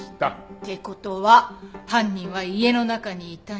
って事は犯人は家の中にいた人間。